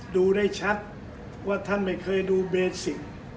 ดูได้ชัดว่าท่านไม่เคยดูเบสิก